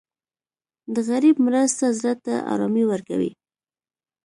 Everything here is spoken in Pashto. د غریب مرسته زړه ته ارامي ورکوي.